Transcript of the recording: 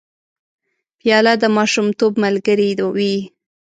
پیاله د ماشومتوب ملګرې وي.